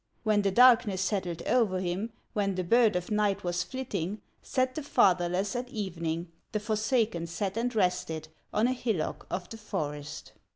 When the darkness settled o'er him, When the bird of night was flitting, Sat the fatherless at evening, The forsaken sat and rested On a hillock of the forest.